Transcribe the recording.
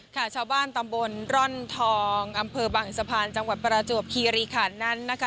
ค่ะชาวบ้านตำบลร่อนทองอำเภอบางสะพานจังหวัดประจวบคีรีขันนั้นนะคะ